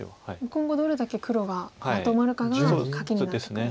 今後どれだけ黒がまとまるかが鍵になってくるんですね。